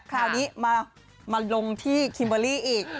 คราวนี้ตอนนี้มาลงจากคิมเบอร์รี่อีก